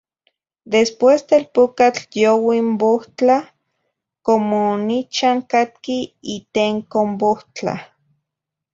Después telpucatl youi n bohtlah, como nichah catqui itenco n bohtlah.